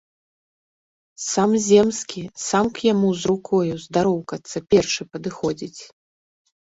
Сам земскі, сам к яму з рукою здароўкацца першы падыходзіць.